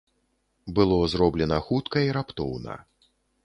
Было зроблена хутка і раптоўна.